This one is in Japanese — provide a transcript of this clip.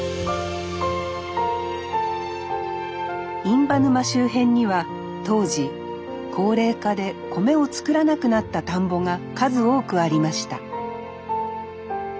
印旛沼周辺には当時高齢化で米を作らなくなった田んぼが数多くありました。